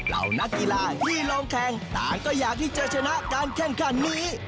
เหล่านักกีฬาที่ลองแข่งต่างก็อยากที่จะชนะการแข่งขันนี้